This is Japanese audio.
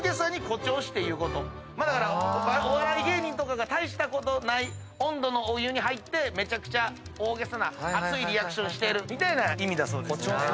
お笑い芸人とかが大したことない温度のお湯に入ってめちゃくちゃ大げさな熱いリアクションしてるみたいな意味だそうです。